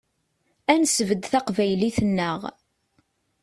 Ad nesbedd taqbaylit-nneɣ.